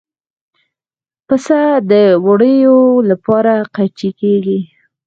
پسه د وړیو لپاره قیچي کېږي.